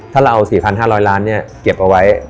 ถ้าเราเอา๔๕๐๐ล้านเก็บเอาไว้